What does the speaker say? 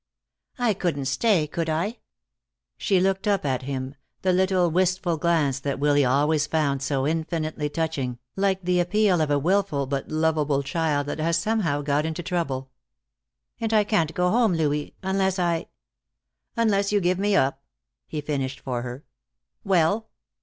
"I couldn't stay, could I?" She looked up at him, the little wistful glance that Willy always found so infinitely touching, like the appeal of a willful but lovable child, that has somehow got into trouble. "And I can't go home, Louis, unless I " "Unless you give me up," he finished for her. "Well?"